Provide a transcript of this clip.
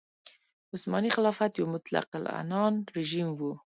عثماني خلافت یو مطلق العنان رژیم و.